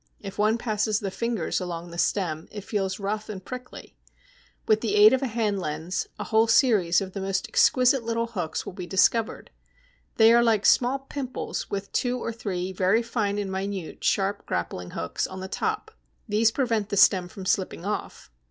If one passes the fingers along the stem, it feels rough and prickly. With the aid of a hand lens, a whole series of most exquisite little hooks will be discovered. They are like small pimples with two or three very fine and minute, sharp grappling hooks on the top. These prevent the stem from slipping off.